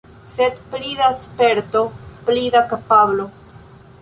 Sed pli da sperto, pli da kapablo.